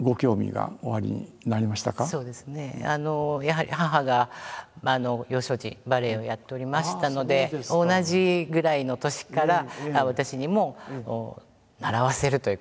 やはり母が幼少時バレエをやっておりましたので同じぐらいの年から私にも習わせるということで。